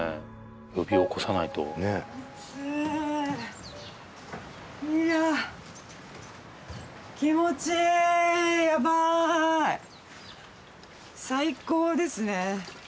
呼び起こさないとねっアツいいや気持ちいいヤバイ最高ですね